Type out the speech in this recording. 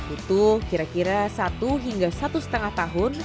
itu kira kira satu hingga satu lima tahun